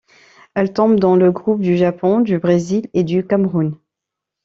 Elle tombe dans le groupe du Japon, du Brésil et du Cameroun.